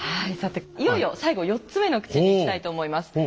さていよいよ最後４つ目の口にいきたいと思います。